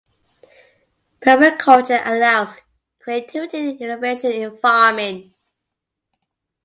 Permaculture allows creativity and innovation in farming.